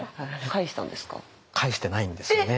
返してないんですよね。